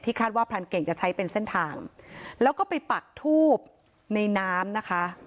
คาดว่าพรานเก่งจะใช้เป็นเส้นทางแล้วก็ไปปักทูบในน้ำนะคะ